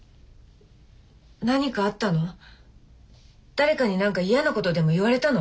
誰かに何か嫌なことでも言われたの？